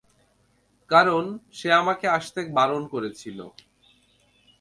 কারণ, সে আমাকে আসতে কারণ করেছিল।